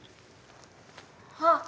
あっ！